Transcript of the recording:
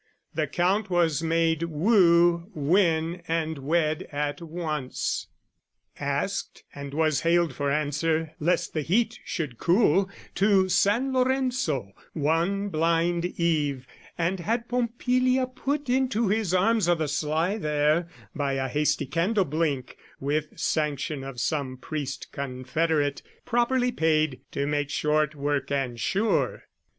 The Count was made woo, win and wed at once: Asked, and was haled for answer, lest the heat Should cool, to San Lorenzo, one blind eve, And had Pompilia put into his arms O' the sly there, by a hasty candle blink, With sanction of some priest confederate Properly paid to make short work and sure.